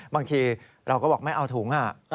บางทีเราก็บอกไม่เอาถุง